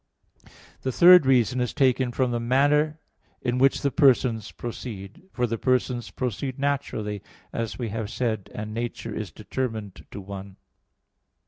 The third reason is taken from the manner in which the persons proceed. For the persons proceed naturally, as we have said (A. 2), and nature is determined to one.